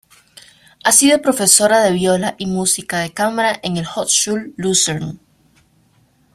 Ha sido profesora de viola y música de cámara en el Hochschule Luzern.